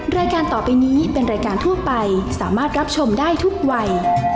รายการต่อไปนี้เป็นรายการทั่วไปสามารถรับชมได้ทุกวัย